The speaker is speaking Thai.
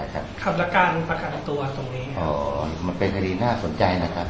กรรมประกันผลการณ์ตัวตรงนี้ครับอ๋อมันเป็นคดีน่าสนใจนะครับ